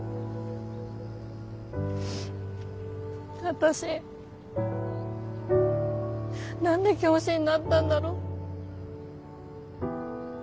私何で教師になったんだろう。